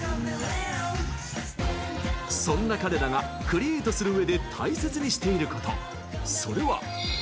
そんな彼らがクリエートするうえで大切にしていること、それは。